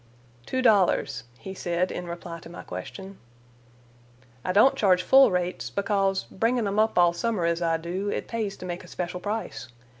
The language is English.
"Two dollars," he said in reply to my question. "I don't charge full rates, because, bringin' 'em up all summer as I do, it pays to make a special price.